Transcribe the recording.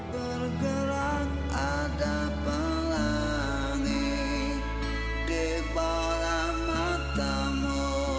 bergerak ada pelangi di bawah matamu